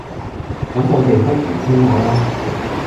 咁我哋不如傾吓啦